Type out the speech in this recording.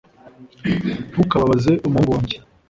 ntukababaze umuhungu wanjye